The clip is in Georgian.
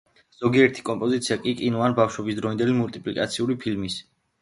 ზოგიერთი კომპოზიცია კი კინო ან ბავშვობისდროინდელი მულტიპლიკაციური ფილმის პერსონაჟებს ეძღვნება.